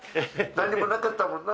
何にもなかったもんな。